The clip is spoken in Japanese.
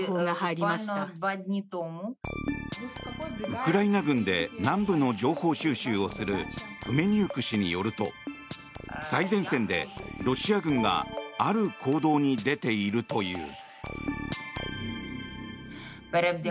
ウクライナ軍で南部の情報収集をするフメニウク氏によると最前線でロシア軍がある行動に出ているという。